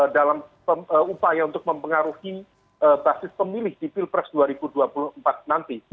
dalam upaya untuk mempengaruhi basis pemilih di pilpres dua ribu dua puluh empat nanti